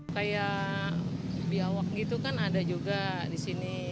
kayak biawak gitu kan ada juga di sini